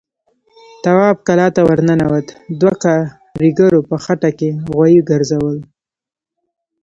تواب کلا ته ور ننوت، دوو کاريګرو په خټه کې غوايي ګرځول.